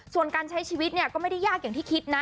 ส่วนการใช้ชีวิตเนี่ยก็ไม่ได้ยากอย่างที่คิดนะ